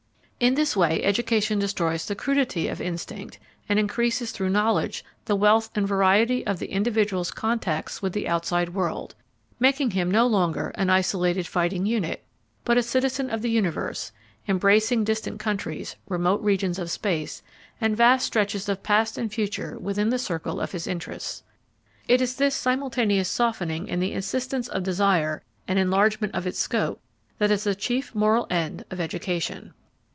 In this way education destroys the crudity of instinct, and increases through knowledge the wealth and variety of the individual's contacts with the outside world, making him no longer an isolated fighting unit, but a citizen of the universe, embracing distant countries, remote regions of space, and vast stretches of past and future within the circle of his interests. It is this simultaneous softening in the insistence of desire and enlargement of its scope that is the chief moral end of education.